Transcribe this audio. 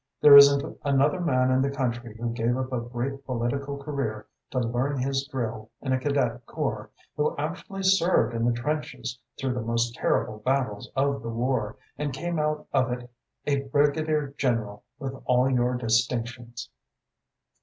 There isn't another man in the country who gave up a great political career to learn his drill in a cadet corps, who actually served in the trenches through the most terrible battles of the war, and came out of it a Brigadier General with all your distinctions."